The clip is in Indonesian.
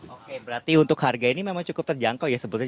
oke berarti untuk harga ini memang cukup terjangkau ya sebetulnya